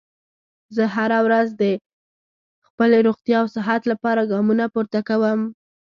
زه هره ورځ د خپلې روغتیا او صحت لپاره ګامونه پورته کوم